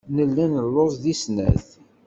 Nella nelluẓ deg snat.